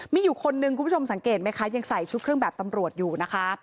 มีอยู่คนนึงคุณผู้ชมสังเกตไหมคะยังใส่ชุดเครื่องแบบตำรวจอยู่นะคะ